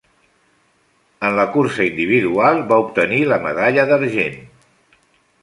En la cursa individual, va obtenir la medalla d'argent.